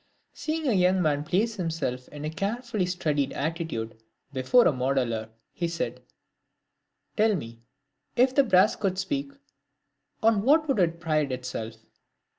Seeing a young man place himself in a carefully studied attitude before a modeller, he said, "Tell me, if the brass could speak, on what would it pride itself?"